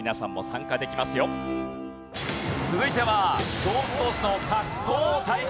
続いては動物同士の格闘対決！